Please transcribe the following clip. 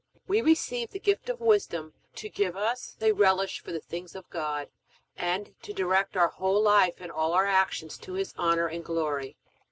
We receive the gift of Wisdom to give us a relish for the things of God, and to direct our whole life and all our actions to His honor and glory.